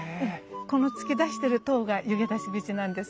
この突き出してる塔が湯気出し口なんです。